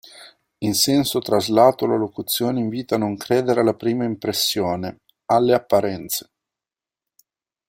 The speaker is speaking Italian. In senso traslato, la locuzione invita a non credere alla prima impressione, alle apparenze.